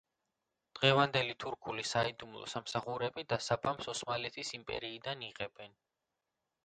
დღევანდელი თურქული საიდუმლო სამსახურები დასაბამს ოსმალეთის იმპერიიდან იღებენ.